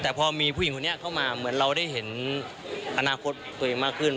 แต่พอมีผู้หญิงคนนี้เข้ามาเหมือนเราได้เห็นอนาคตตัวเองมากขึ้น